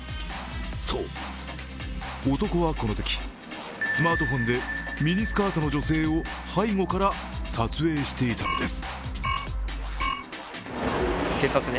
そう、男はこのとき、スマートフォンでミニスカートの女性を背後から撮影していたのです。